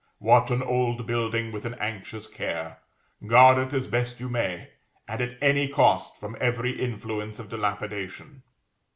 Watch an old building with an anxious care; guard it as best you may, and at any cost from every influence of dilapidation.